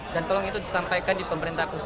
dan tolong itu disampaikan di pemerintah pusat